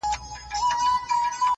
څه مسافره یمه خير دی ته مي ياد يې خو-